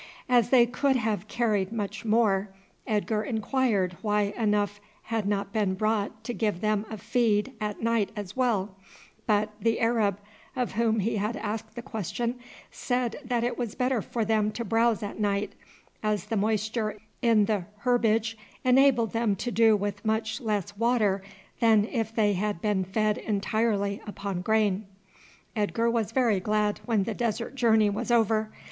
As they could have carried much more, Edgar inquired why enough had not been brought to give them a feed at night as well; but the Arab of whom he had asked the question said that it was better for them to browse at night, as the moisture in the herbage enabled them to do with much less water than if they had been fed entirely upon grain. Edgar was very glad when the desert journey was over.